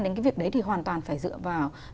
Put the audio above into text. đến cái việc đấy thì hoàn toàn phải dựa vào